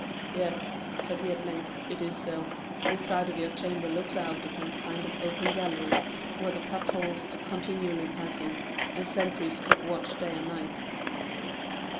"Yes," said he at length, "it is so. This side of your chamber looks out upon a kind of open gallery, where patrols are continually passing, and sentries keep watch day and night."